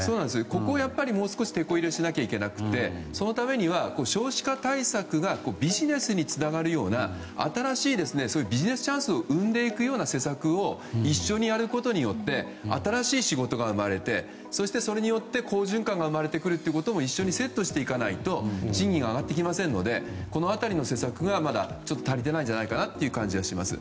ここをもう少しテコ入れしなきゃいけなくてそのためには少子化対策がビジネスにつながるような新しいビジネスチャンスを生んでいくような政策を一緒にやることによって新しい仕事が生まれてそして、それによって好循環が生まれてくるということもセットにしていかないと賃金は上がってきませんのでこの辺りの政策はまだちょっと足りていないんじゃないかなという感じがします。